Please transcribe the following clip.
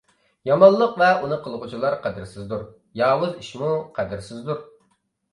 يامانلىق ۋە ئۇنى قىلغۇچىلار قەدىرسىزدۇر. ياۋۇز ئىشمۇ قەدىرسىزدۇر.